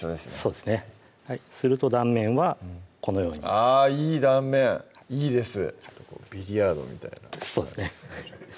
そうですねすると断面はこのようにあぁいい断面いいですビリヤードみたいなそうですね